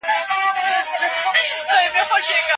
که زده کوونکی د موضوع په مانا پوه سي نو نه یې هیروي.